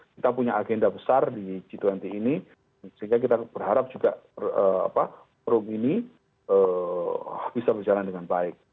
kita punya agenda besar di g dua puluh ini sehingga kita berharap juga forum ini bisa berjalan dengan baik